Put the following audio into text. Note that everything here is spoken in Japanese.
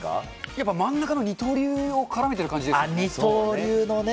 やっぱ真ん中の二刀流を絡めてる感じいいですよね。